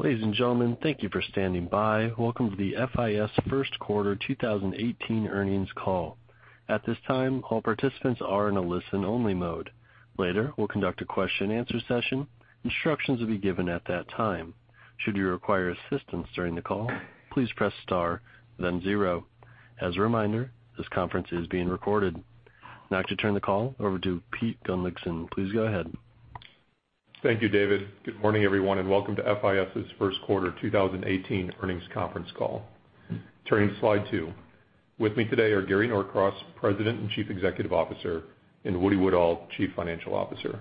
Ladies and gentlemen, thank you for standing by. Welcome to the FIS first quarter 2018 earnings call. At this time, all participants are in a listen-only mode. Later, we'll conduct a question and answer session. Instructions will be given at that time. Should you require assistance during the call, please press star then zero. As a reminder, this conference is being recorded. Now I could turn the call over to Peter Gunnlaugsson. Please go ahead. Thank you, David. Good morning, everyone, and welcome to FIS' first quarter 2018 earnings conference call. Turning to slide two. With me today are Gary Norcross, President and Chief Executive Officer, and Woody Woodall, Chief Financial Officer.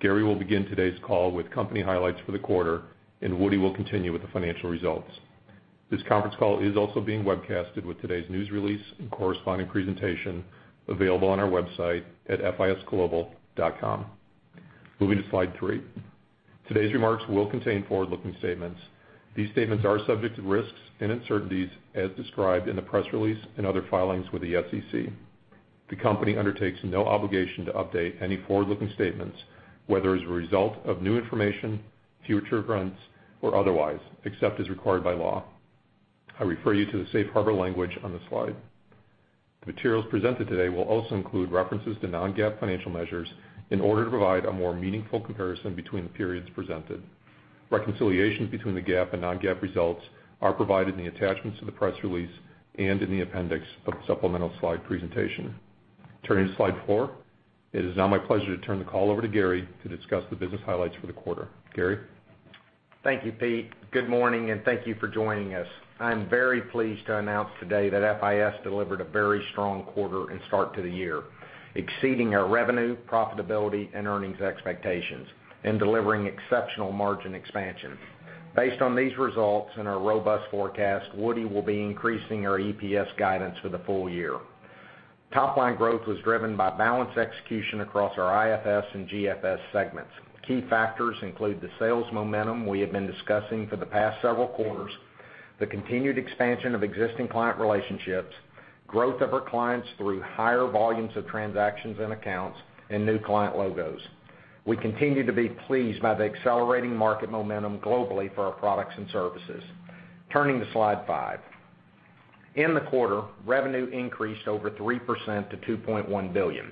Gary will begin today's call with company highlights for the quarter, and Woody will continue with the financial results. This conference call is also being webcasted with today's news release and corresponding presentation available on our website at fisglobal.com. Moving to slide three. Today's remarks will contain forward-looking statements. These statements are subject to risks and uncertainties as described in the press release and other filings with the SEC. The company undertakes no obligation to update any forward-looking statements, whether as a result of new information, future events, or otherwise, except as required by law. I refer you to the safe harbor language on the slide. The materials presented today will also include references to non-GAAP financial measures in order to provide a more meaningful comparison between the periods presented. Reconciliations between the GAAP and non-GAAP results are provided in the attachments to the press release and in the appendix of the supplemental slide presentation. Turning to slide four. It is now my pleasure to turn the call over to Gary to discuss the business highlights for the quarter. Gary? Thank you, Pete. Good morning, and thank you for joining us. I'm very pleased to announce today that FIS delivered a very strong quarter and start to the year, exceeding our revenue, profitability, and earnings expectations, and delivering exceptional margin expansion. Based on these results and our robust forecast, Woody will be increasing our EPS guidance for the full year. Top-line growth was driven by balanced execution across our IFS and GFS segments. Key factors include the sales momentum we have been discussing for the past several quarters, the continued expansion of existing client relationships, growth of our clients through higher volumes of transactions and accounts, and new client logos. We continue to be pleased by the accelerating market momentum globally for our products and services. Turning to slide five. In the quarter, revenue increased over 3% to $2.1 billion.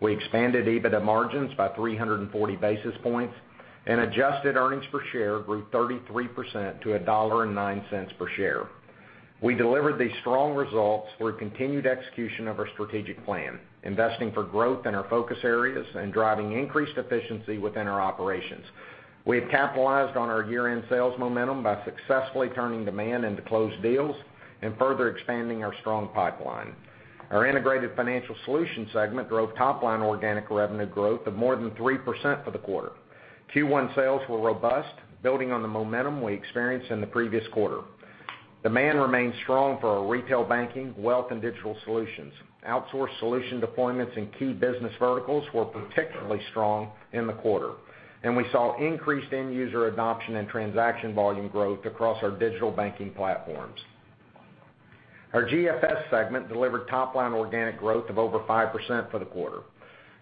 We expanded EBITDA margins by 340 basis points and adjusted earnings per share grew 33% to $1.09 per share. We delivered these strong results through continued execution of our strategic plan, investing for growth in our focus areas and driving increased efficiency within our operations. We have capitalized on our year-end sales momentum by successfully turning demand into closed deals and further expanding our strong pipeline. Our Integrated Financial Solutions segment drove top-line organic revenue growth of more than 3% for the quarter. Q1 sales were robust, building on the momentum we experienced in the previous quarter. Demand remains strong for our retail banking, wealth, and digital solutions. Outsourced solution deployments in key business verticals were particularly strong in the quarter, and we saw increased end-user adoption and transaction volume growth across our digital banking platforms. Our GFS segment delivered top-line organic growth of over 5% for the quarter.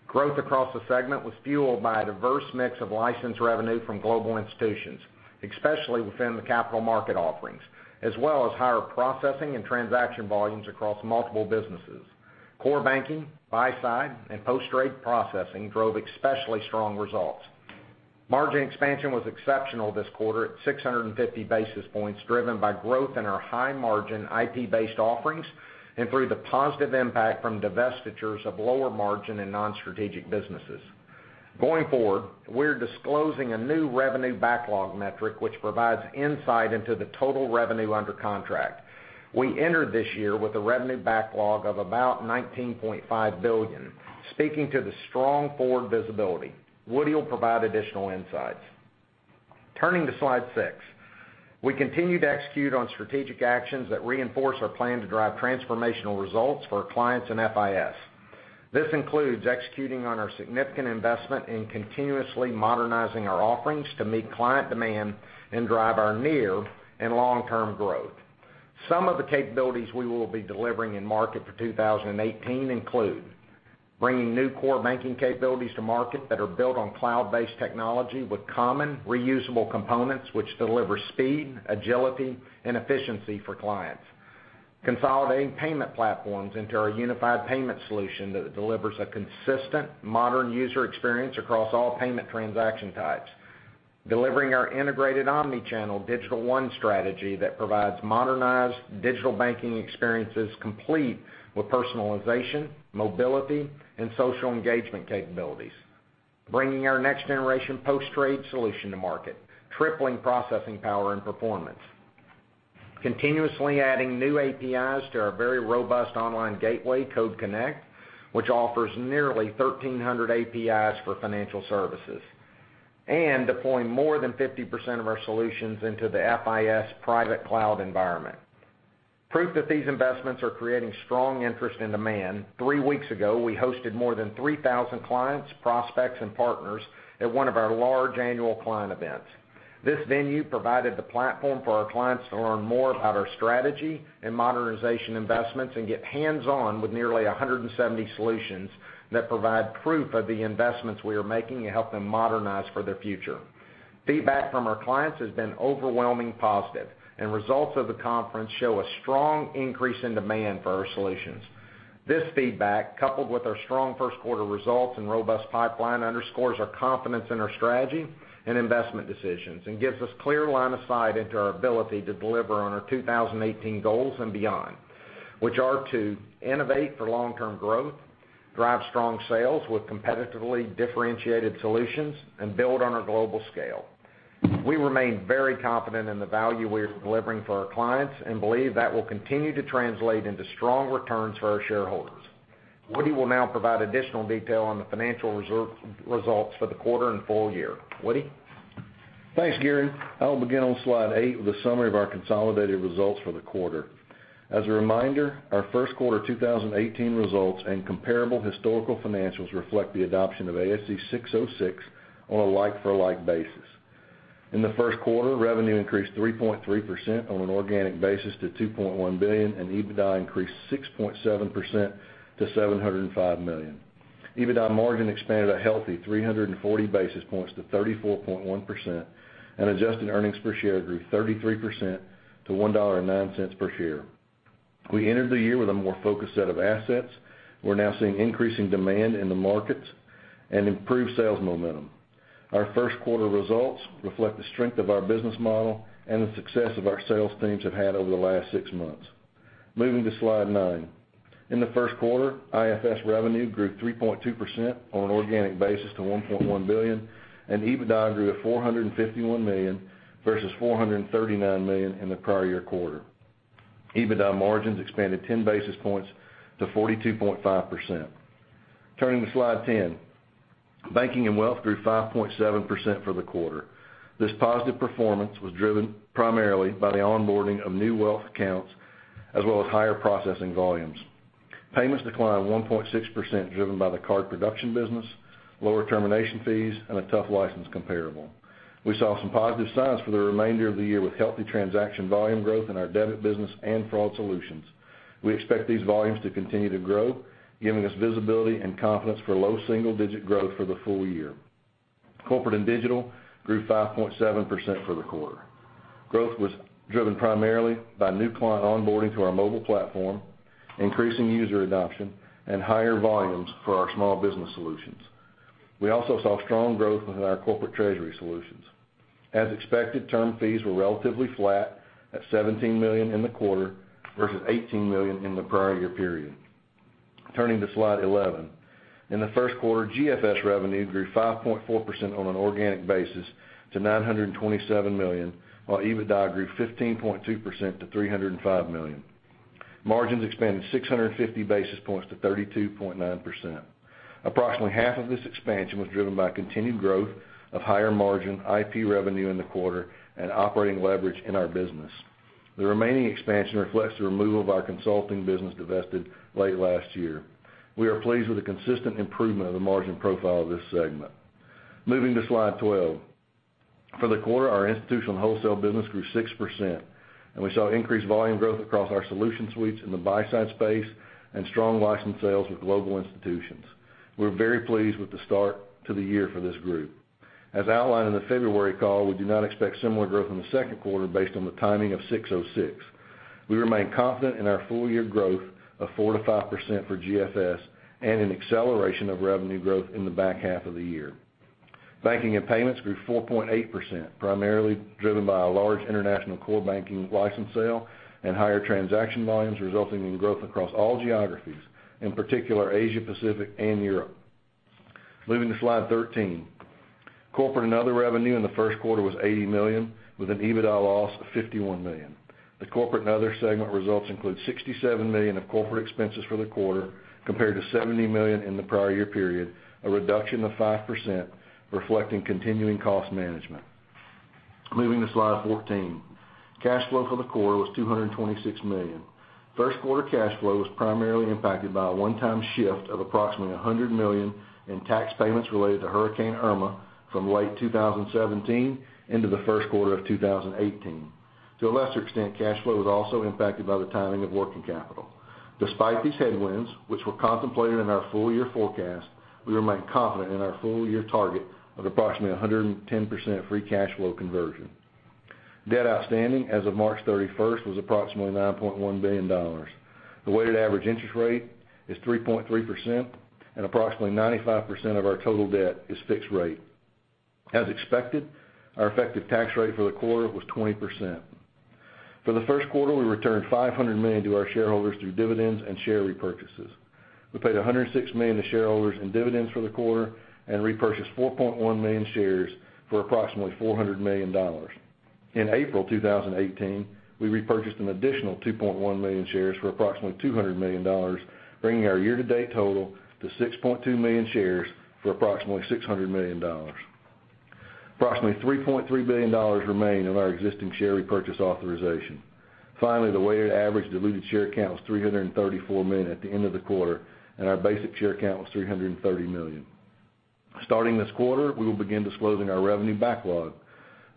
Growth across the segment was fueled by a diverse mix of license revenue from global institutions, especially within the capital market offerings, as well as higher processing and transaction volumes across multiple businesses. Core banking, buy-side, and post-trade processing drove especially strong results. Margin expansion was exceptional this quarter at 650 basis points, driven by growth in our high-margin, IP-based offerings and through the positive impact from divestitures of lower-margin and non-strategic businesses. Going forward, we're disclosing a new revenue backlog metric, which provides insight into the total revenue under contract. We entered this year with a revenue backlog of about $19.5 billion, speaking to the strong forward visibility. Woody will provide additional insights. Turning to slide six. We continue to execute on strategic actions that reinforce our plan to drive transformational results for our clients and FIS. This includes executing on our significant investment in continuously modernizing our offerings to meet client demand and drive our near and long-term growth. Some of the capabilities we will be delivering in market for 2018 include bringing new core banking capabilities to market that are built on cloud-based technology with common reusable components, which deliver speed, agility, and efficiency for clients. Consolidating payment platforms into our unified payment solution that delivers a consistent modern user experience across all payment transaction types. Delivering our integrated omni-channel Digital One strategy that provides modernized digital banking experiences complete with personalization, mobility, and social engagement capabilities. Bringing our next-generation post-trade solution to market, tripling processing power and performance. Continuously adding new APIs to our very robust online gateway, Code Connect, which offers nearly 1,300 APIs for financial services. Deploying more than 50% of our solutions into the FIS private cloud environment. Proof that these investments are creating strong interest and demand, three weeks ago, we hosted more than 3,000 clients, prospects, and partners at one of our large annual client events. This venue provided the platform for our clients to learn more about our strategy and modernization investments, and get hands-on with nearly 170 solutions that provide proof of the investments we are making to help them modernize for their future. Feedback from our clients has been overwhelmingly positive. Results of the conference show a strong increase in demand for our solutions. This feedback, coupled with our strong first quarter results and robust pipeline, underscores our confidence in our strategy and investment decisions, and gives us clear line of sight into our ability to deliver on our 2018 goals and beyond, which are to innovate for long-term growth, drive strong sales with competitively differentiated solutions, and build on our global scale. We remain very confident in the value we are delivering for our clients and believe that will continue to translate into strong returns for our shareholders. Woody will now provide additional detail on the financial results for the quarter and full year. Woody? Thanks, Gary. I'll begin on slide eight with a summary of our consolidated results for the quarter. As a reminder, our first quarter of 2018 results and comparable historical financials reflect the adoption of ASC 606 on a like-for-like basis. In the first quarter, revenue increased 3.3% on an organic basis to $2.1 billion, and EBITDA increased 6.7% to $705 million. EBITDA margin expanded a healthy 340 basis points to 34.1%, and adjusted earnings per share grew 33% to $1.09 per share. We entered the year with a more focused set of assets. We're now seeing increasing demand in the markets and improved sales momentum. Our first quarter results reflect the strength of our business model and the success our sales teams have had over the last six months. Moving to slide nine. In the first quarter, IFS revenue grew 3.2% on an organic basis to $1.1 billion, and EBITDA grew to $451 million versus $439 million in the prior year quarter. EBITDA margins expanded 10 basis points to 42.5%. Turning to slide 10. Banking and wealth grew 5.7% for the quarter. This positive performance was driven primarily by the onboarding of new wealth accounts, as well as higher processing volumes. Payments declined 1.6%, driven by the card production business, lower termination fees, and a tough license comparable. We saw some positive signs for the remainder of the year with healthy transaction volume growth in our debit business and fraud solutions. We expect these volumes to continue to grow, giving us visibility and confidence for low single-digit growth for the full year. Corporate and digital grew 5.7% for the quarter. Growth was driven primarily by new client onboarding to our mobile platform, increasing user adoption, and higher volumes for our small business solutions. We also saw strong growth within our corporate treasury solutions. As expected, term fees were relatively flat at $17 million in the quarter versus $18 million in the prior year period. Turning to slide 11. In the first quarter, GFS revenue grew 5.4% on an organic basis to $927 million, while EBITDA grew 15.2% to $305 million. Margins expanded 650 basis points to 32.9%. Approximately half of this expansion was driven by continued growth of higher-margin IP revenue in the quarter and operating leverage in our business. The remaining expansion reflects the removal of our consulting business divested late last year. We are pleased with the consistent improvement of the margin profile of this segment. Moving to slide 12. For the quarter, our institutional wholesale business grew 6%, and we saw increased volume growth across our solution suites in the buy-side space and strong license sales with global institutions. We are very pleased with the start to the year for this group. As outlined in the February call, we do not expect similar growth in the second quarter based on the timing of 606. We remain confident in our full-year growth of 4%-5% for GFS and an acceleration of revenue growth in the back half of the year. Banking and payments grew 4.8%, primarily driven by a large international core banking license sale and higher transaction volumes, resulting in growth across all geographies, in particular Asia Pacific and Europe. Moving to slide 13. Corporate and other revenue in the first quarter was $80 million, with an EBITDA loss of $51 million. The corporate and other segment results include $67 million of corporate expenses for the quarter, compared to $70 million in the prior year period, a reduction of 5%, reflecting continuing cost management. Moving to slide 14. Cash flow for the quarter was $226 million. First quarter cash flow was primarily impacted by a one-time shift of approximately $100 million in tax payments related to Hurricane Irma from late 2017 into the first quarter of 2018. To a lesser extent, cash flow was also impacted by the timing of working capital. Despite these headwinds, which were contemplated in our full-year forecast, we remain confident in our full-year target of approximately 110% free cash flow conversion. Debt outstanding as of March 31st was approximately $9.1 billion. The weighted average interest rate is 3.3%, and approximately 95% of our total debt is fixed rate. As expected, our effective tax rate for the quarter was 20%. For the first quarter, we returned $500 million to our shareholders through dividends and share repurchases. We paid $106 million to shareholders in dividends for the quarter and repurchased 4.1 million shares for approximately $400 million. In April 2018, we repurchased an additional 2.1 million shares for approximately $200 million, bringing our year-to-date total to 6.2 million shares for approximately $600 million. Approximately $3.3 billion remain on our existing share repurchase authorization. Finally, the weighted average diluted share count was 334 million at the end of the quarter, and our basic share count was 330 million. Starting this quarter, we will begin disclosing our revenue backlog.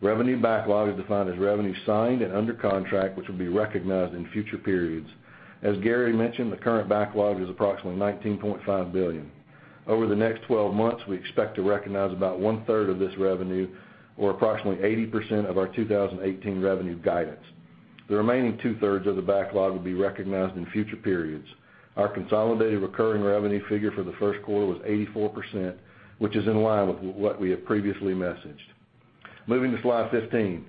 Revenue backlog is defined as revenue signed and under contract, which will be recognized in future periods. As Gary mentioned, the current backlog is approximately $19.5 billion. Over the next 12 months, we expect to recognize about one-third of this revenue, or approximately 80% of our 2018 revenue guidance. The remaining two-thirds of the backlog will be recognized in future periods. Our consolidated recurring revenue figure for the first quarter was 84%, which is in line with what we have previously messaged. Moving to slide 15.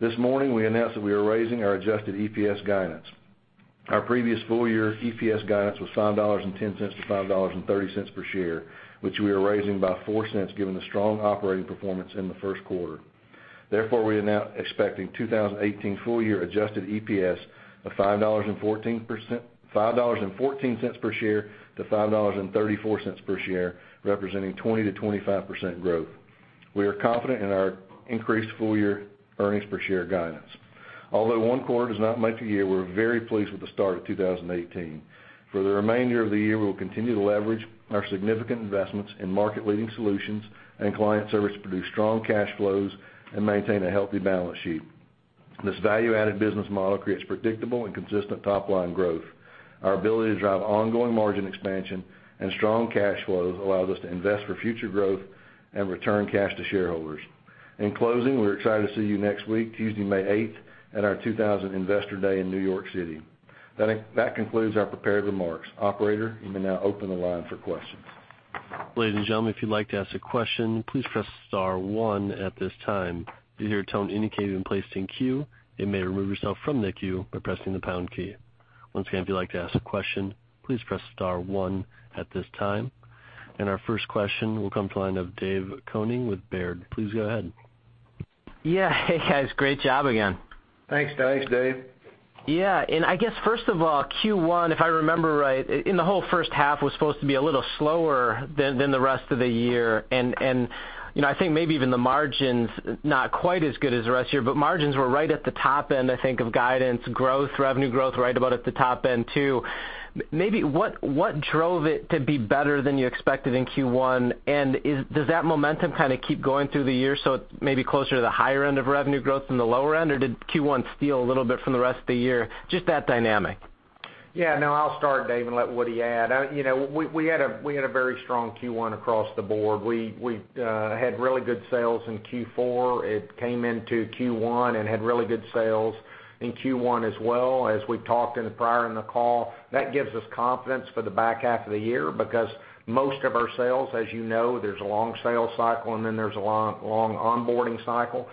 This morning, we announced that we are raising our adjusted EPS guidance. Our previous full-year EPS guidance was $5.10-$5.30 per share, which we are raising by $0.04 given the strong operating performance in the first quarter. Therefore, we are now expecting 2018 full-year adjusted EPS of $5.14-$5.34 per share, representing 20%-25% growth. We are confident in our increased full-year earnings per share guidance. Although one quarter does not make a year, we are very pleased with the start of 2018. For the remainder of the year, we will continue to leverage our significant investments in market-leading solutions and client service to produce strong cash flows and maintain a healthy balance sheet. This value-added business model creates predictable and consistent top-line growth. Our ability to drive ongoing margin expansion and strong cash flows allows us to invest for future growth and return cash to shareholders. In closing, we're excited to see you next week, Tuesday, May 8th at our 2018 Investor Day in New York City. That concludes our prepared remarks. Operator, you may now open the line for questions. Ladies and gentlemen, if you'd like to ask a question, please press *1 at this time. You'll hear a tone indicating you're placed in queue, and may remove yourself from the queue by pressing the # key. Once again, if you'd like to ask a question, please press *1 at this time. Our first question will come to the line of Dave Koning with Baird. Please go ahead. Yeah. Hey, guys. Great job again. Thanks, Dave. Thanks, Dave. Yeah. I guess, first of all, Q1, if I remember right, in the whole first half, was supposed to be a little slower than the rest of the year. I think maybe even the margins, not quite as good as the rest of the year, but margins were right at the top end, I think, of guidance growth, revenue growth, right about at the top end too. Maybe what drove it to be better than you expected in Q1, and does that momentum kind of keep going through the year so it's maybe closer to the higher end of revenue growth than the lower end, or did Q1 steal a little bit from the rest of the year? Just that dynamic. Yeah, no, I'll start Dave, and let Woody add. We had a very strong Q1 across the board. We had really good sales in Q4. It came into Q1 and had really good sales in Q1 as well. As we've talked in the prior in the call, that gives us confidence for the back half of the year because most of our sales, as you know, there's a long sales cycle, and then there's a long onboarding cycle.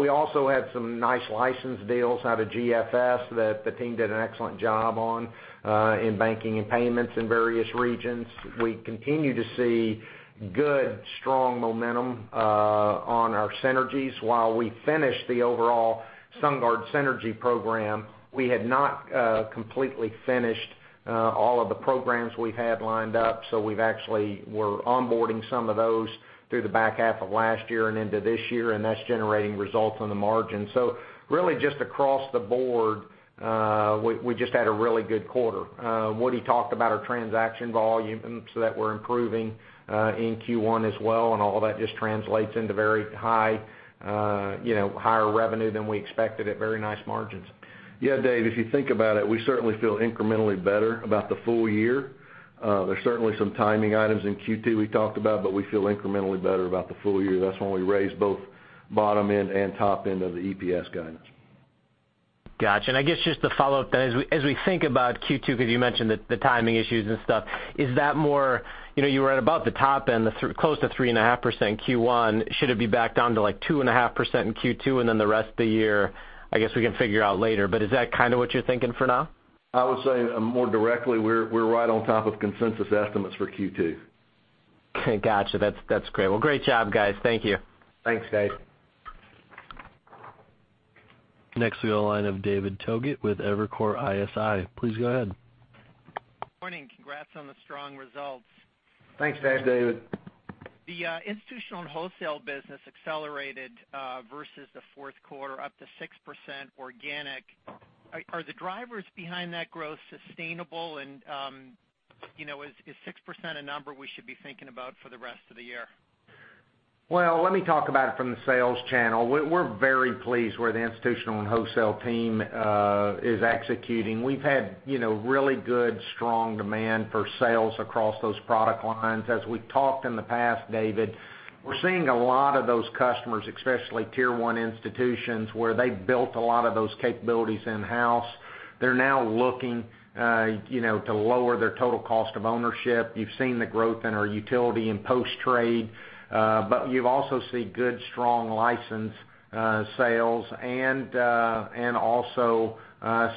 We also had some nice license deals out of GFS that the team did an excellent job on, in banking and payments in various regions. We continue to see good, strong momentum on our synergies. While we finished the overall SunGard synergy program, we had not completely finished all of the programs we had lined up, so we've actually, we're onboarding some of those through the back half of last year and into this year, and that's generating results on the margin. Really just across the board, we just had a really good quarter. Woody talked about our transaction volume, so that we're improving in Q1 as well. All that just translates into very higher revenue than we expected at very nice margins. Yeah, Dave, if you think about it, we certainly feel incrementally better about the full year. There's certainly some timing items in Q2 we talked about, but we feel incrementally better about the full year. That's why we raised both bottom end and top end of the EPS guidance. Got you. I guess just to follow up then, as we think about Q2, because you mentioned the timing issues and stuff, is that more-- you were at about the top end, close to 3.5% in Q1. Should it be back down to 2.5% in Q2, and then the rest of the year, I guess we can figure out later. Is that kind of what you're thinking for now? I would say more directly, we're right on top of consensus estimates for Q2. Okay, got you. That's great. Well, great job, guys. Thank you. Thanks, Dave. Next, we go line of David Togut with Evercore ISI. Please go ahead. Morning. Congrats on the strong results. Thanks, Dave. Thanks, David. The institutional and wholesale business accelerated versus the fourth quarter, up to 6% organic. Are the drivers behind that growth sustainable and is 6% a number we should be thinking about for the rest of the year? Well, let me talk about it from the sales channel. We're very pleased where the institutional and wholesale team is executing. We've had really good, strong demand for sales across those product lines. As we've talked in the past, David, we're seeing a lot of those customers, especially tier 1 institutions, where they built a lot of those capabilities in-house. They're now looking to lower their total cost of ownership. You've seen the growth in our utility and post-trade, but you also see good, strong license sales and also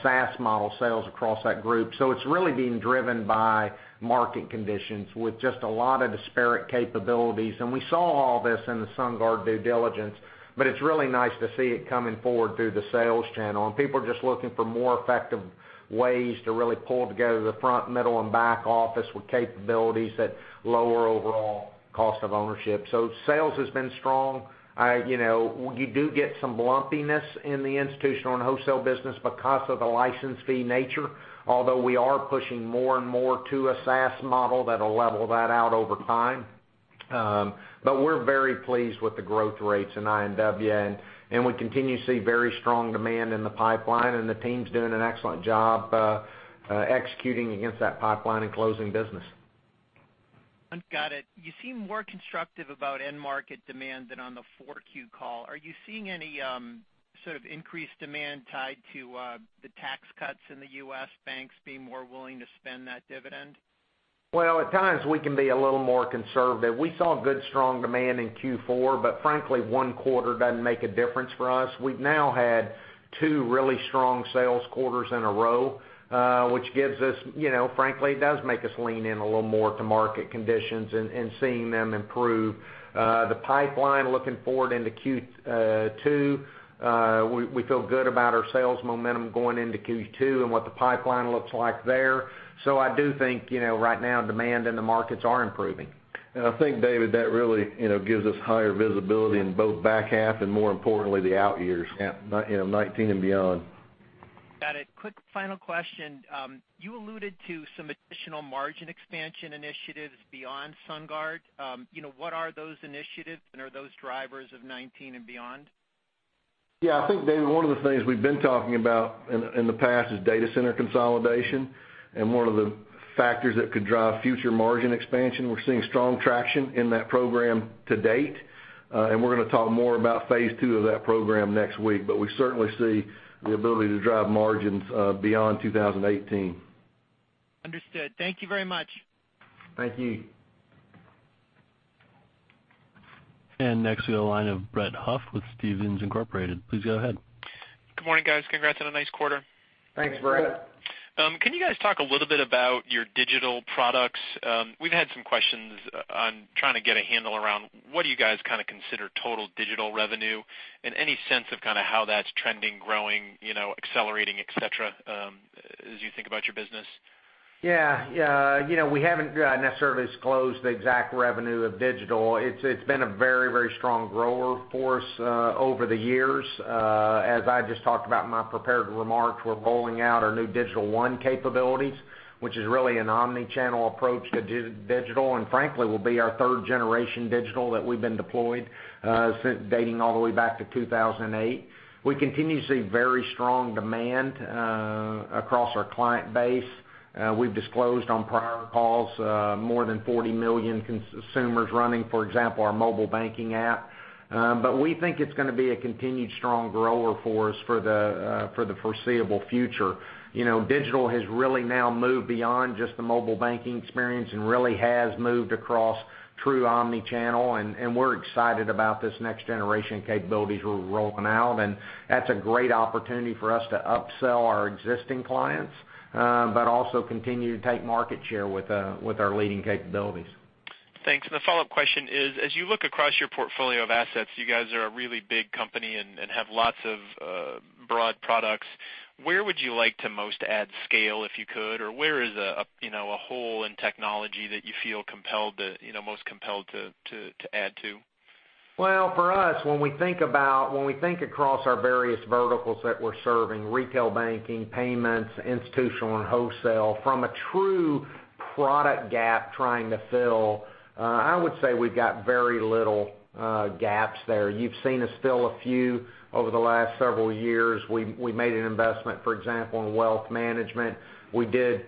SaaS model sales across that group. It's really being driven by market conditions with just a lot of disparate capabilities. We saw all this in the SunGard due diligence, but it's really nice to see it coming forward through the sales channel, and people are just looking for more effective ways to really pull together the front, middle, and back office with capabilities that lower overall cost of ownership. Sales has been strong. You do get some lumpiness in the institutional and wholesale business because of the license fee nature, although we are pushing more and more to a SaaS model that'll level that out over time. We're very pleased with the growth rates in I&W, and we continue to see very strong demand in the pipeline, and the team's doing an excellent job executing against that pipeline and closing business. Got it. You seem more constructive about end market demand than on the Q4 call. Are you seeing any sort of increased demand tied to the tax cuts in the U.S., banks being more willing to spend that dividend? Well, at times we can be a little more conservative. We saw good strong demand in Q4, but frankly, one quarter doesn't make a difference for us. We've now had two really strong sales quarters in a row, which frankly, does make us lean in a little more to market conditions and seeing them improve. The pipeline looking forward into Q2, we feel good about our sales momentum going into Q2 and what the pipeline looks like there. I do think, right now, demand in the markets are improving. I think, David, that really gives us higher visibility in both back half and more importantly, the out years, 2019 and beyond. Got it. Quick final question. You alluded to some additional margin expansion initiatives beyond SunGard. What are those initiatives, and are those drivers of 2019 and beyond? I think, David, one of the things we've been talking about in the past is data center consolidation and one of the factors that could drive future margin expansion. We're seeing strong traction in that program to date. We're going to talk more about phase 2 of that program next week, but we certainly see the ability to drive margins beyond 2018. Understood. Thank you very much. Thank you. Next we have the line of Brett Huff with Stephens Inc. Please go ahead. Good morning, guys. Congrats on a nice quarter. Thanks, Brett. Thanks, Brett. Can you guys talk a little bit about your digital products? We've had some questions on trying to get a handle around what do you guys consider total digital revenue? Any sense of how that's trending, growing, accelerating, et cetera, as you think about your business? Yeah. We haven't necessarily disclosed the exact revenue of digital. It's been a very strong grower for us over the years. As I just talked about in my prepared remarks, we're rolling out our new Digital One capabilities, which is really an omni-channel approach to digital, and frankly, will be our third generation digital that we've been deployed, dating all the way back to 2008. We continue to see very strong demand across our client base. We've disclosed on prior calls more than 40 million consumers running, for example, our mobile banking app. We think it's going to be a continued strong grower for us for the foreseeable future. Digital has really now moved beyond just the mobile banking experience and really has moved across true omni-channel, and we're excited about this next generation capabilities we're rolling out. That's a great opportunity for us to upsell our existing clients, but also continue to take market share with our leading capabilities. Thanks. The follow-up question is, as you look across your portfolio of assets, you guys are a really big company and have lots of broad products. Where would you like to most add scale, if you could? Where is a hole in technology that you feel most compelled to add to? Well, for us, when we think across our various verticals that we're serving, retail banking, payments, institutional, and wholesale, from a true product gap trying to fill, I would say we've got very little gaps there. You've seen us fill a few over the last several years. We made an investment, for example, in wealth management. We did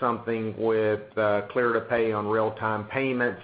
something with Clear2Pay on real-time payments.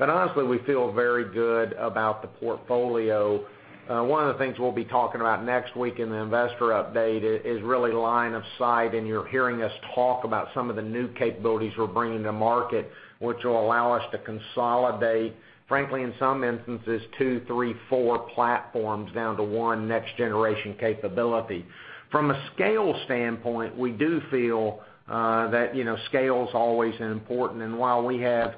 Honestly, we feel very good about the portfolio. One of the things we'll be talking about next week in the investor update is really line of sight, and you're hearing us talk about some of the new capabilities we're bringing to market, which will allow us to consolidate, frankly, in some instances, two, three, four platforms down to one next generation capability. From a scale standpoint, we do feel that scale's always important. While we have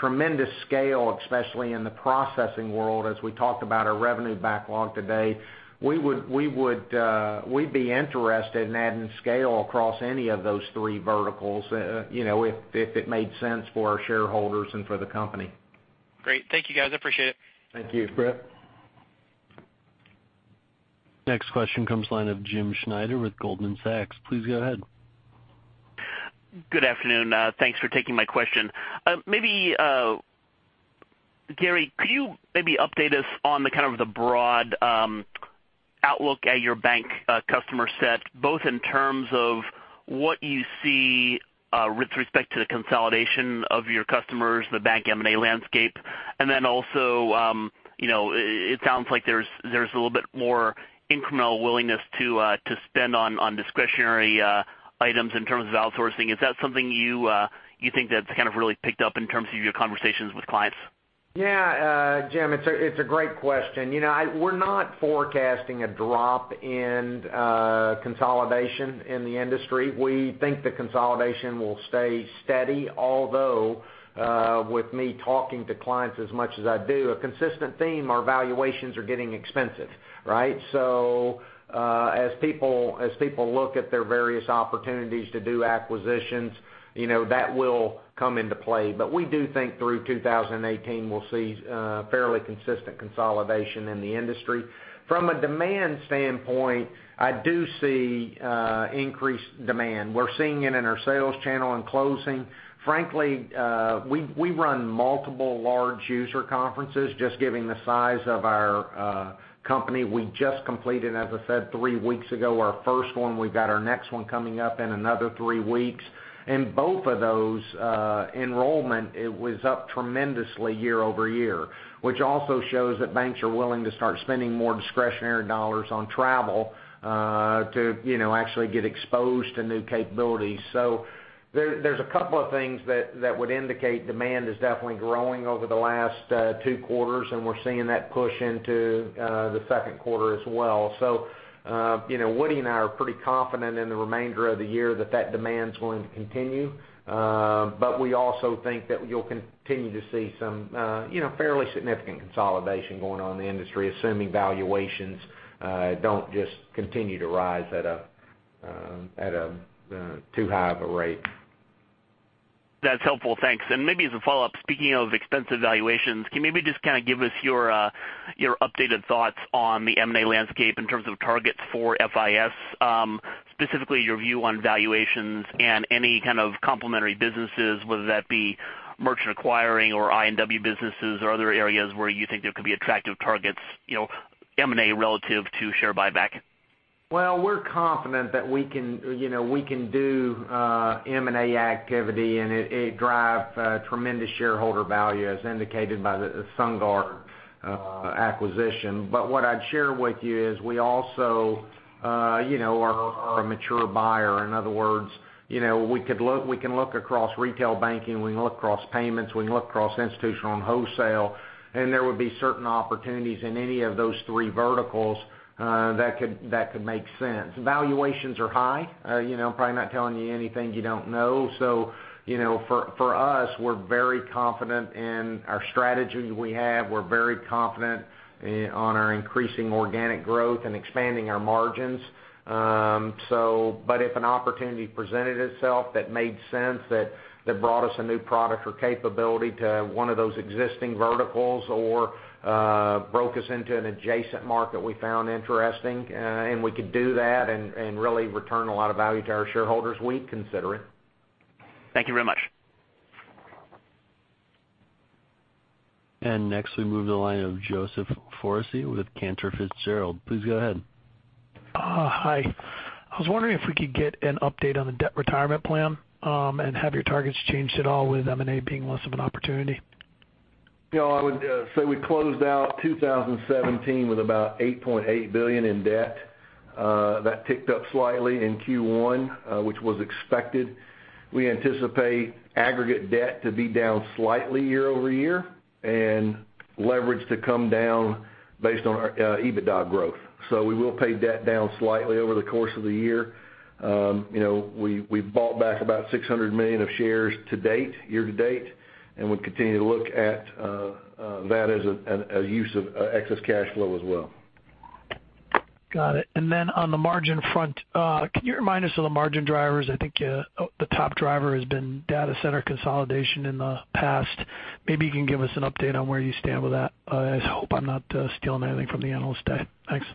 tremendous scale, especially in the processing world, as we talked about our revenue backlog today, we'd be interested in adding scale across any of those three verticals, if it made sense for our shareholders and for the company. Great. Thank you, guys. I appreciate it. Thank you. Thanks, Brett. Next question comes line of James Schneider with Goldman Sachs. Please go ahead. Good afternoon. Thanks for taking my question. Gary, could you maybe update us on the kind of the broad outlook at your bank customer set, both in terms of what you see with respect to the consolidation of your customers, the bank M&A landscape? Then also, it sounds like there's a little bit more incremental willingness to spend on discretionary items in terms of outsourcing. Is that something you think that's kind of really picked up in terms of your conversations with clients? Yeah, Jim, it's a great question. We're not forecasting a drop in consolidation in the industry. We think the consolidation will stay steady, although, with me talking to clients as much as I do, a consistent theme, our valuations are getting expensive. Right? As people look at their various opportunities to do acquisitions, that will come into play. We do think through 2018, we'll see fairly consistent consolidation in the industry. From a demand standpoint, I do see increased demand. We're seeing it in our sales channel and closing. Frankly, we run multiple large user conferences just given the size of our company. We just completed, as I said, three weeks ago, our first one. We've got our next one coming up in another three weeks. In both of those enrollment, it was up tremendously year-over-year, which also shows that banks are willing to start spending more discretionary dollars on travel to actually get exposed to new capabilities. There's a couple of things that would indicate demand is definitely growing over the last two quarters, and we're seeing that push into the second quarter as well. Woody and I are pretty confident in the remainder of the year that demand's going to continue. We also think that you'll continue to see some fairly significant consolidation going on in the industry, assuming valuations don't just continue to rise at too high of a rate. That's helpful. Thanks. Maybe as a follow-up, speaking of expensive valuations, can you maybe just give us your updated thoughts on the M&A landscape in terms of targets for FIS, specifically your view on valuations and any kind of complementary businesses, whether that be merchant acquiring or I&W businesses, or other areas where you think there could be attractive targets, M&A relative to share buyback? Well, we're confident that we can do M&A activity, and it drive tremendous shareholder value, as indicated by the SunGard acquisition. What I'd share with you is we also are a mature buyer. In other words, we can look across retail banking, we can look across payments, we can look across institutional and wholesale, and there would be certain opportunities in any of those three verticals that could make sense. Valuations are high. Probably not telling you anything you don't know. For us, we're very confident in our strategy we have. We're very confident on our increasing organic growth and expanding our margins. If an opportunity presented itself that made sense, that brought us a new product or capability to one of those existing verticals or broke us into an adjacent market we found interesting, and we could do that and really return a lot of value to our shareholders, we'd consider it. Thank you very much. Next we move to the line of Joseph Foresi with Cantor Fitzgerald. Please go ahead. Hi. I was wondering if we could get an update on the debt retirement plan, and have your targets changed at all with M&A being less of an opportunity? I would say we closed out 2017 with about $8.8 billion in debt. That ticked up slightly in Q1, which was expected. We anticipate aggregate debt to be down slightly year-over-year and leverage to come down based on our EBITDA growth. We will pay debt down slightly over the course of the year. We've bought back about $600 million of shares to date, year-to-date, and we continue to look at that as a use of excess cash flow as well. Got it. Then on the margin front, can you remind us of the margin drivers? I think the top driver has been data center consolidation in the past. Maybe you can give us an update on where you stand with that. I hope I'm not stealing anything from the analyst day. Thanks.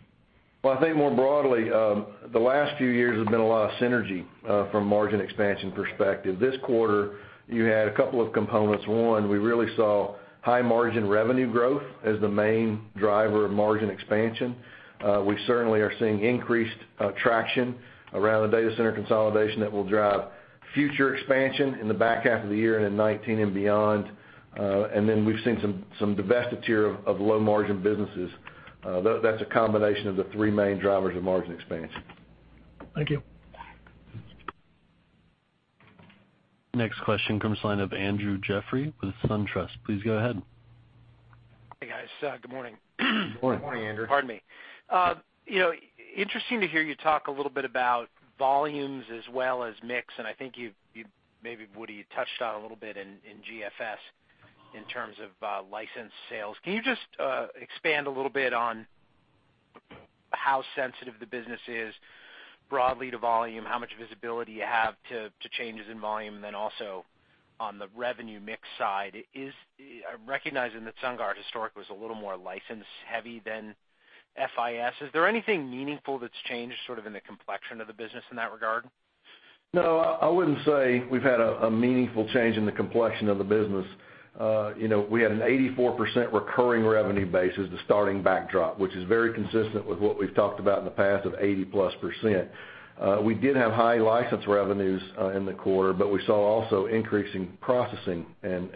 Well, I think more broadly, the last few years have been a lot of synergy from margin expansion perspective. This quarter, you had a couple of components. One, we really saw high margin revenue growth as the main driver of margin expansion. We certainly are seeing increased traction around the data center consolidation that will drive future expansion in the back half of the year and in 2019 and beyond. We've seen some divestiture of low margin businesses. That's a combination of the three main drivers of margin expansion. Thank you. Next question comes line of Andrew Jeffrey with SunTrust. Please go ahead. Hey, guys. Good morning. Good morning. Good morning, Andrew. Pardon me. Interesting to hear you talk a little bit about volumes as well as mix. I think maybe, Woody, you touched on a little bit in GFS in terms of license sales. Can you just expand a little bit on how sensitive the business is broadly to volume, how much visibility you have to changes in volume? Then also on the revenue mix side, recognizing that SunGard historically was a little more license heavy than FIS, is there anything meaningful that's changed sort of in the complexion of the business in that regard? No, I wouldn't say we've had a meaningful change in the complexion of the business. We had an 84% recurring revenue base as the starting backdrop, which is very consistent with what we've talked about in the past of 80-plus %. We did have high license revenues in the quarter. We saw also increasing processing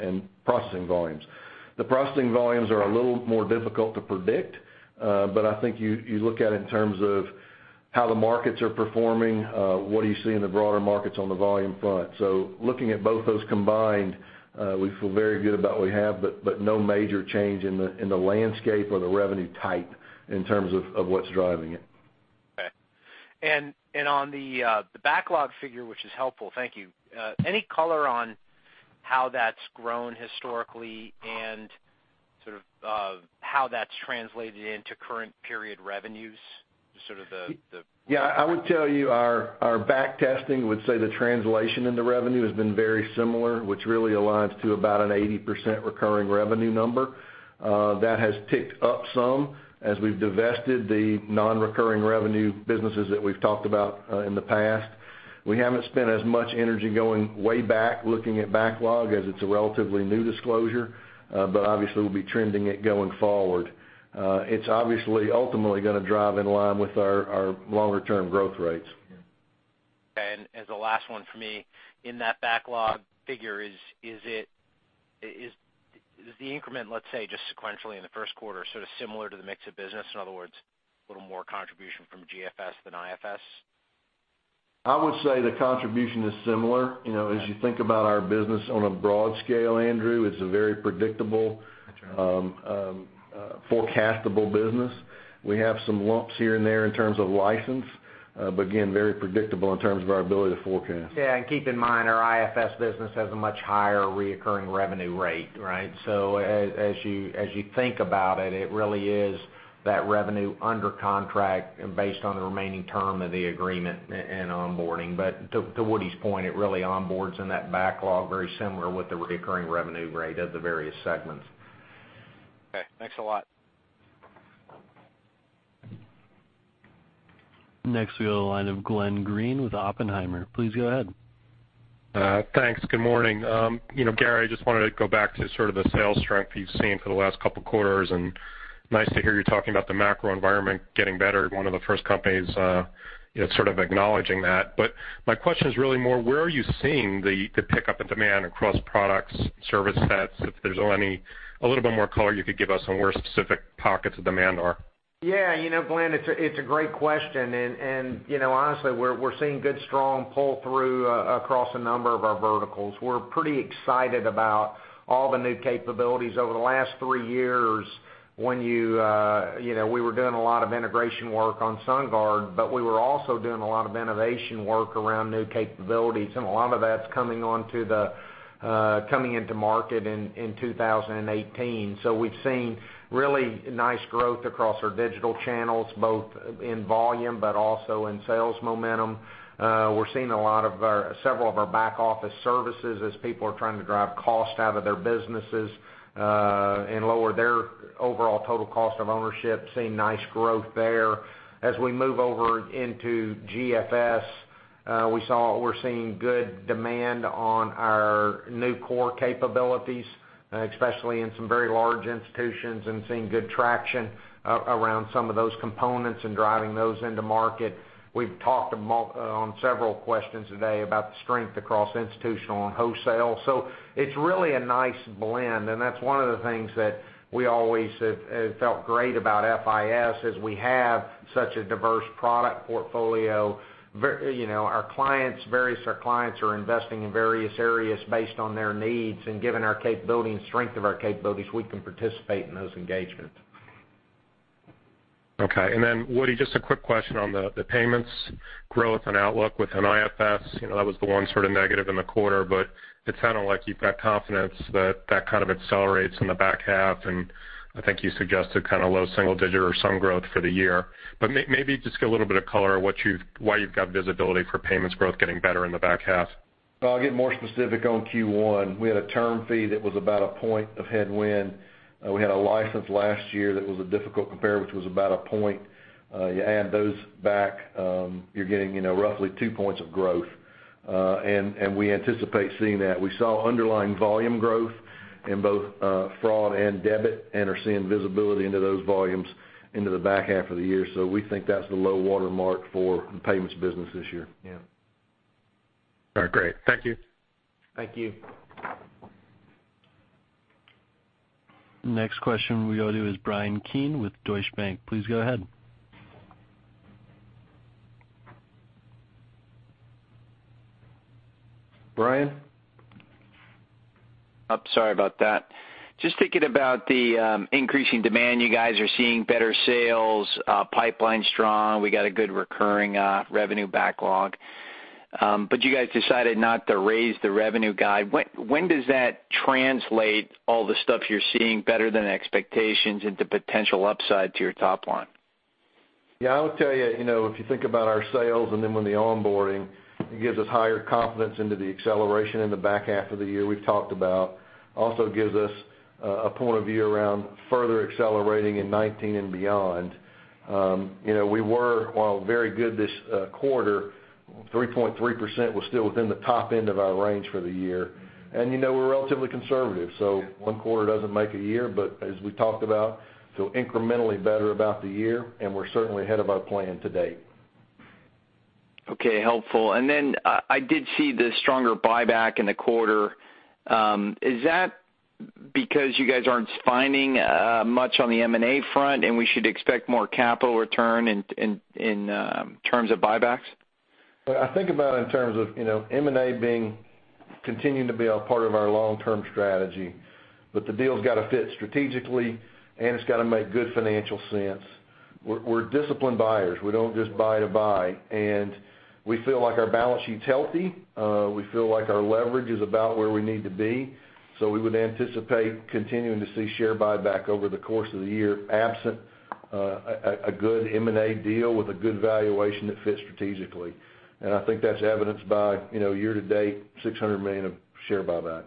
volumes. The processing volumes are a little more difficult to predict. I think you look at it in terms of Looking at both those combined, we feel very good about what we have, but no major change in the landscape or the revenue type in terms of what's driving it. Okay. On the backlog figure, which is helpful, thank you. Any color on how that's grown historically and how that's translated into current period revenues? Yeah. I would tell you our back testing would say the translation into revenue has been very similar, which really aligns to about an 80% recurring revenue number. That has ticked up some as we've divested the non-recurring revenue businesses that we've talked about in the past. We haven't spent as much energy going way back looking at backlog as it's a relatively new disclosure. Obviously, we'll be trending it going forward. It's obviously ultimately going to drive in line with our longer-term growth rates. Okay. As the last one for me, in that backlog figure, is the increment, let's say, just sequentially in the first quarter, sort of similar to the mix of business? In other words, a little more contribution from GFS than IFS? I would say the contribution is similar. As you think about our business on a broad scale, Andrew, it's a very predictable-. Sure Forecastable business. We have some lumps here and there in terms of license. Again, very predictable in terms of our ability to forecast. Yeah, keep in mind, our IFS business has a much higher recurring revenue rate, right? As you think about it really is that revenue under contract based on the remaining term of the agreement and onboarding. To Woody's point, it really onboards in that backlog very similar with the recurring revenue rate of the various segments. Okay, thanks a lot. Next we go to the line of Glenn Greene with Oppenheimer. Please go ahead. Thanks. Good morning. Gary, I just wanted to go back to sort of the sales strength you've seen for the last couple of quarters, and nice to hear you talking about the macro environment getting better. One of the first companies sort of acknowledging that. My question is really more, where are you seeing the pickup in demand across products, service sets? If there's a little bit more color you could give us on where specific pockets of demand are. Yeah. Glenn, it's a great question, and honestly, we're seeing good strong pull-through across a number of our verticals. We're pretty excited about all the new capabilities over the last three years. We were doing a lot of integration work on SunGard, but we were also doing a lot of innovation work around new capabilities, and a lot of that's coming into market in 2018. We've seen really nice growth across our digital channels, both in volume but also in sales momentum. We're seeing several of our back-office services as people are trying to drive cost out of their businesses, and lower their overall total cost of ownership, seeing nice growth there. As we move over into GFS, we're seeing good demand on our new core capabilities, especially in some very large institutions, and seeing good traction around some of those components and driving those into market. We've talked on several questions today about the strength across institutional and wholesale. It's really a nice blend, and that's one of the things that we always have felt great about FIS, is we have such a diverse product portfolio. Various clients are investing in various areas based on their needs, and given our capability and strength of our capabilities, we can participate in those engagements. Okay. Woody, just a quick question on the payments growth and outlook within IFS. That was the one sort of negative in the quarter, it sounded like you've got confidence that that kind of accelerates in the back half, I think you suggested low single digit or some growth for the year. Maybe just get a little bit of color why you've got visibility for payments growth getting better in the back half. I'll get more specific on Q1. We had a term fee that was about a point of headwind. We had a license last year that was a difficult compare, which was about a point. You add those back, you're getting roughly two points of growth. We anticipate seeing that. We saw underlying volume growth in both fraud and debit and are seeing visibility into those volumes into the back half of the year. We think that's the low water mark for the payments business this year. Yeah. All right, great. Thank you. Thank you. Next question we go to is Bryan Keane with Deutsche Bank. Please go ahead. Bryan? Sorry about that. Just thinking about the increasing demand. You guys are seeing better sales, pipeline's strong. We got a good recurring revenue backlog. You guys decided not to raise the revenue guide. When does that translate all the stuff you're seeing better than expectations into potential upside to your top line? Yeah, I would tell you, if you think about our sales and then when the onboarding, it gives us higher confidence into the acceleration in the back half of the year we've talked about. Also gives us a point of view around further accelerating in 2019 and beyond. We were very good this quarter. 3.3% was still within the top end of our range for the year. We're relatively conservative, so one quarter doesn't make a year, but as we talked about, feel incrementally better about the year, and we're certainly ahead of our plan to date. Okay, helpful. I did see the stronger buyback in the quarter. Is that because you guys aren't finding much on the M&A front, and we should expect more capital return in terms of buybacks? I think about it in terms of M&A continuing to be a part of our long-term strategy. The deal's got to fit strategically, and it's got to make good financial sense. We're disciplined buyers. We don't just buy to buy, and we feel like our balance sheet's healthy. We feel like our leverage is about where we need to be. We would anticipate continuing to see share buyback over the course of the year, absent a good M&A deal with a good valuation that fits strategically. I think that's evidenced by year to date, $600 million of share buyback.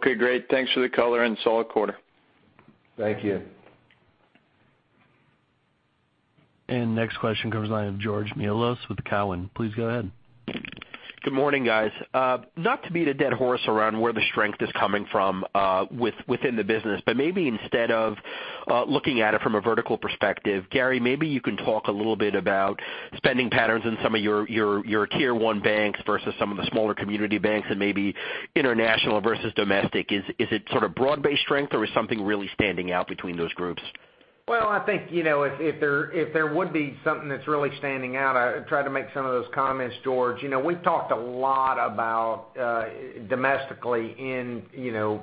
Great. Thanks for the color and solid quarter. Thank you. Next question comes in on Georgios Mihalos with Cowen. Please go ahead. Good morning, guys. Not to beat a dead horse around where the strength is coming from within the business, but maybe instead of looking at it from a vertical perspective, Gary, maybe you can talk a little bit about spending patterns in some of your tier 1 banks versus some of the smaller community banks and maybe international versus domestic. Is it sort of broad-based strength, or is something really standing out between those groups? Well, I think, if there would be something that's really standing out, I try to make some of those comments, Georgios. We've talked a lot about domestically in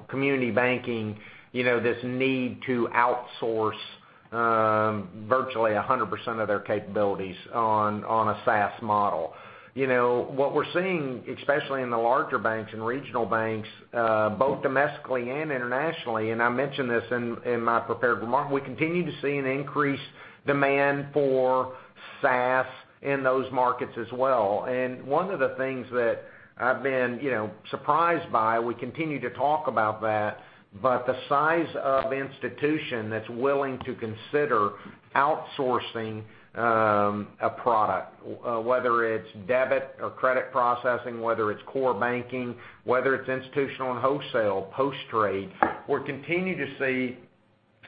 community banking, this need to outsource virtually 100% of their capabilities on a SaaS model. What we're seeing, especially in the larger banks and regional banks, both domestically and internationally, I mentioned this in my prepared remark, we continue to see an increased demand for SaaS in those markets as well. One of the things that I've been surprised by, we continue to talk about that, but the size of institution that's willing to consider outsourcing a product, whether it's debit or credit processing, whether it's core banking, whether it's institutional and wholesale, post-trade, we're continuing to see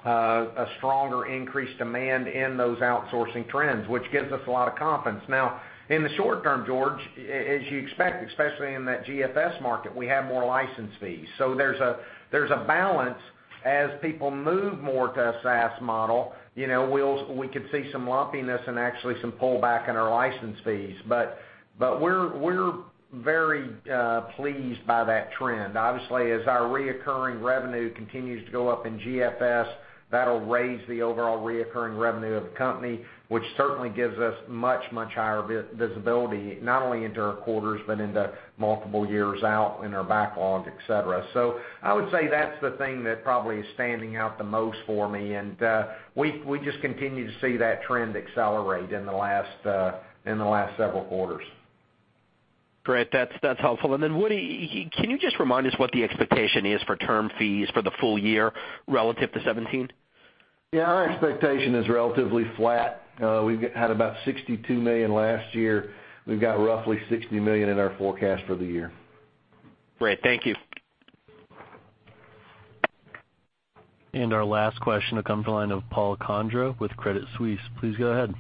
a stronger increased demand in those outsourcing trends, which gives us a lot of confidence. Now, in the short term, Georgios, as you expect, especially in that GFS market, we have more license fees. There's a balance as people move more to a SaaS model, we could see some lumpiness and actually some pullback in our license fees. We're very pleased by that trend. Obviously, as our recurring revenue continues to go up in GFS, that'll raise the overall recurring revenue of the company, which certainly gives us much, much higher visibility, not only into our quarters, but into multiple years out in our backlogs, et cetera. I would say that's the thing that probably is standing out the most for me, and we just continue to see that trend accelerate in the last several quarters. Great. That's helpful. Then Woody, can you just remind us what the expectation is for term fees for the full year relative to 2017? Yeah, our expectation is relatively flat. We've had about $62 million last year. We've got roughly $60 million in our forecast for the year. Great. Thank you. Our last question will come from the line of Paul Condra with Credit Suisse. Please go ahead.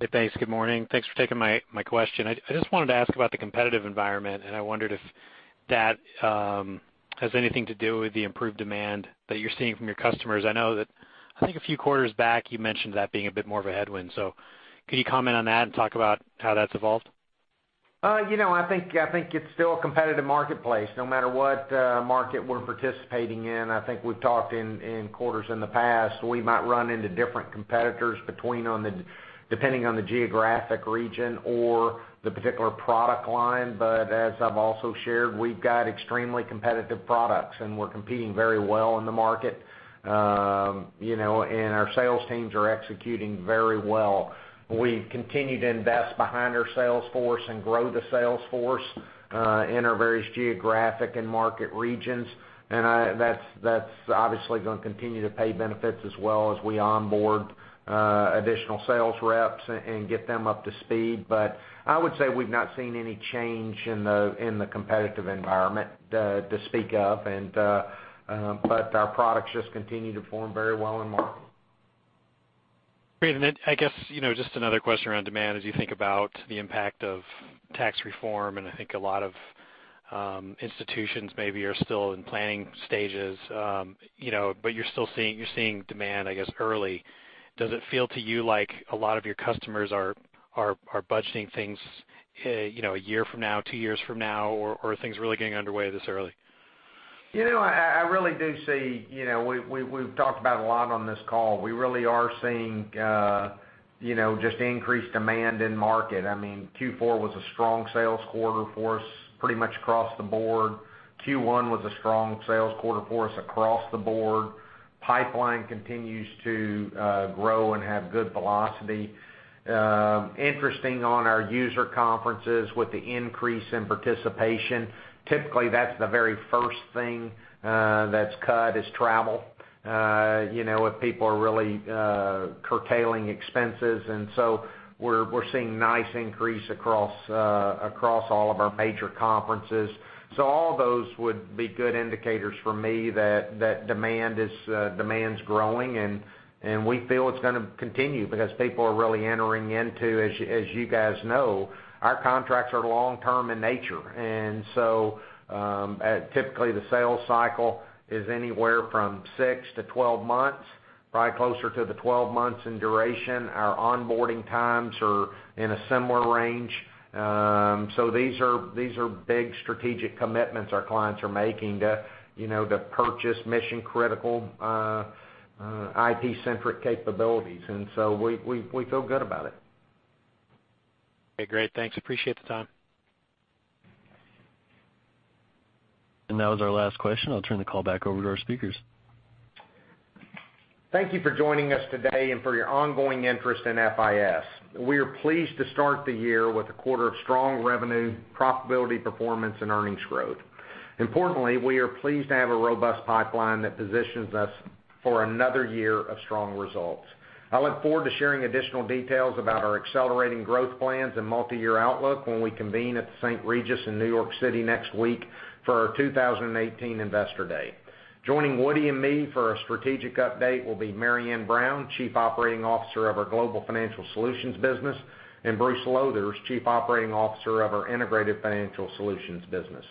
Hey, thanks. Good morning. Thanks for taking my question. I just wanted to ask about the competitive environment, and I wondered if that has anything to do with the improved demand that you're seeing from your customers. I know that I think a few quarters back you mentioned that being a bit more of a headwind. Can you comment on that and talk about how that's evolved? I think it's still a competitive marketplace no matter what market we're participating in. I think we've talked in quarters in the past, we might run into different competitors depending on the geographic region or the particular product line. As I've also shared, we've got extremely competitive products, and we're competing very well in the market. Our sales teams are executing very well. We continue to invest behind our sales force and grow the sales force, in our various geographic and market regions. That's obviously going to continue to pay benefits as well as we onboard additional sales reps and get them up to speed. I would say we've not seen any change in the competitive environment to speak of. Our products just continue to perform very well in market. Great. I guess, just another question around demand as you think about the impact of tax reform, and I think a lot of institutions maybe are still in planning stages, but you're seeing demand, I guess, early. Does it feel to you like a lot of your customers are budgeting things a year from now, two years from now, or are things really getting underway this early? I really do see, we've talked about a lot on this call. We really are seeing just increased demand in market. Q4 was a strong sales quarter for us, pretty much across the board. Q1 was a strong sales quarter for us across the board. Pipeline continues to grow and have good velocity. Interesting on our user conferences with the increase in participation. Typically, that's the very first thing that's cut, is travel. If people are really curtailing expenses. We're seeing nice increase across all of our major conferences. All those would be good indicators for me that demand's growing, and we feel it's going to continue because people are really entering into, as you guys know, our contracts are long-term in nature. Typically, the sales cycle is anywhere from 6 to 12 months, probably closer to the 12 months in duration. Our onboarding times are in a similar range. These are big strategic commitments our clients are making to purchase mission-critical, IT-centric capabilities. We feel good about it. Okay, great. Thanks. Appreciate the time. That was our last question. I'll turn the call back over to our speakers. Thank you for joining us today and for your ongoing interest in FIS. We are pleased to start the year with a quarter of strong revenue, profitability performance, and earnings growth. Importantly, we are pleased to have a robust pipeline that positions us for another year of strong results. I look forward to sharing additional details about our accelerating growth plans and multi-year outlook when we convene at the St. Regis in New York City next week for our 2018 Investor Day. Joining Woody and me for a strategic update will be Marianne Brown, Chief Operating Officer of our Global Financial Solutions business, and Bruce Lowthers, Chief Operating Officer of our Integrated Financial Solutions business.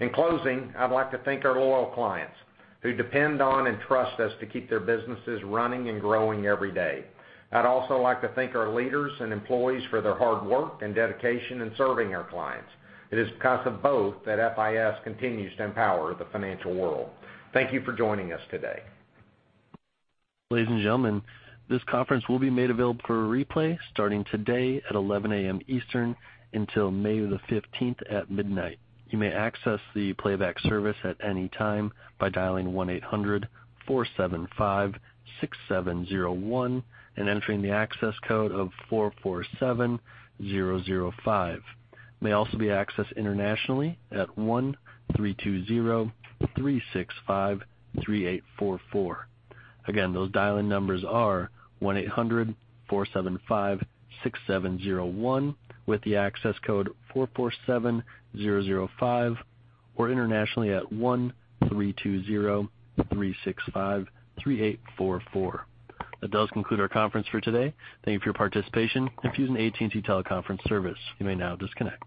In closing, I'd like to thank our loyal clients who depend on and trust us to keep their businesses running and growing every day. I'd also like to thank our leaders and employees for their hard work and dedication in serving our clients. It is because of both that FIS continues to empower the financial world. Thank you for joining us today. Ladies and gentlemen, this conference will be made available for replay starting today at 11:00 A.M. Eastern until May the 15th at midnight. You may access the playback service at any time by dialing 1-800-475-6701 and entering the access code of 447005. It may also be accessed internationally at 1-320-365-3844. Again, those dial-in numbers are 1-800-475-6701 with the access code 447005 or internationally at 1-320-365-3844. That does conclude our conference for today. Thank you for your participation and for using AT&T Teleconference Service. You may now disconnect.